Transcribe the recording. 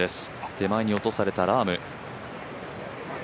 手前に落とされたラーム。